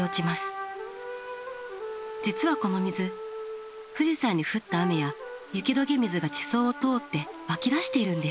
実はこの水富士山に降った雨や雪どけ水が地層を通って湧き出しているんです。